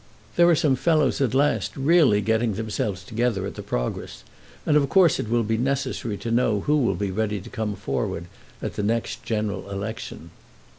"There are some fellows at last really getting themselves together at the Progress, and of course it will be necessary to know who will be ready to come forward at the next general election."